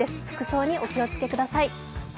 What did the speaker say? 服装にお気をつけください。